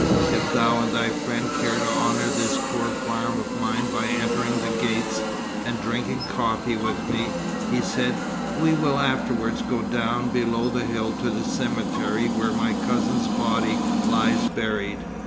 "If thou and thy friend care to honour this poor farm of mine by entering the gates, and drinking coffee with me," he said, "We will afterwards go down below the hill to the cemetery where my cousin's body lies buried.